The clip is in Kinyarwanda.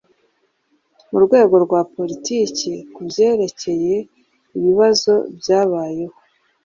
Mu rwego rwa politiki, ku byerekeye ibibazo byabayeho